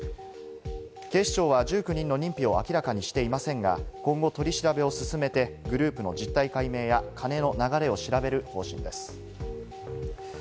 警視庁は１９人の認否を明らかにしていませんが、今後、取り調べを進めて、グループの実態解明や、金の流れを調べる方針です。